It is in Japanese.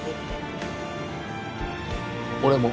俺も。